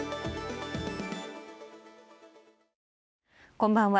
こんばんは。